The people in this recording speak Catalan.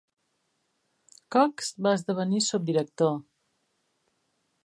Cox va esdevenir subdirector.